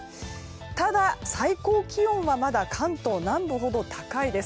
ただ、最高気温はまだ関東南部ほど高いです。